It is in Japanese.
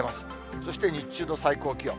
そして日中の最高気温。